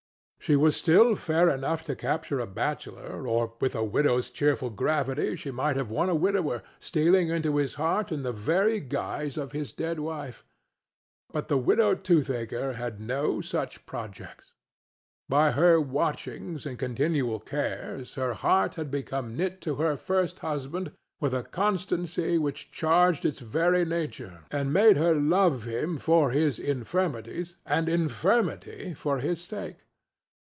She was still fair enough to captivate a bachelor, or with a widow's cheerful gravity she might have won a widower, stealing into his heart in the very guise of his dead wife. But the widow Toothaker had no such projects. By her watchings and continual cares her heart had become knit to her first husband with a constancy which changed its very nature and made her love him for his infirmities, and infirmity for his sake.